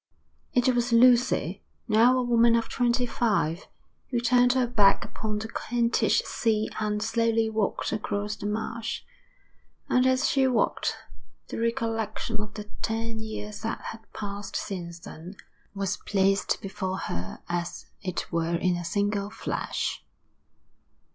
It was Lucy, now a woman of twenty five, who turned her back upon the Kentish sea and slowly walked across the marsh. And as she walked, the recollection of the ten years that had passed since then was placed before her as it were in a single Sash.